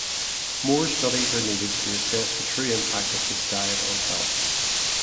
More studies are needed to assess the true impact of this diet on health.